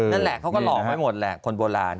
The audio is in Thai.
นั่นแหละเขาก็หลอกไว้หมดแหละคนโบราณ